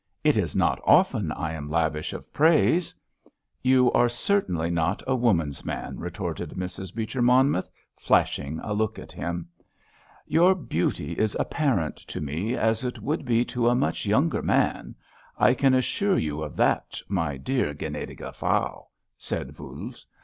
It is not often I am lavish of praise." "You are certainly not a woman's man!" retorted Mrs. Beecher Monmouth, flashing a look at him. "Your beauty is apparent to me, as it would be to a much younger man, I can assure you of that, my dear gnädige Frau," said Voules.